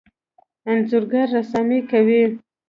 انځورګر رسامي کوي.